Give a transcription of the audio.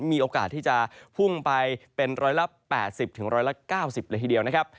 มีโอกาสที่จะพุ่งไปเป็นร้อยละ๘๐๑๙๐เลยทีเดียวนะครับ